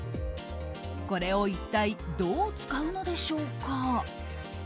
これを一体どう使うのでしょうか。